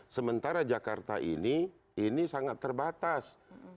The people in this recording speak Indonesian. sementara jakarta ini ini sangat terbatas